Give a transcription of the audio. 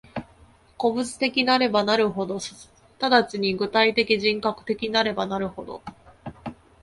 個物的なればなるほど、即ち具体的人格的なればなるほど、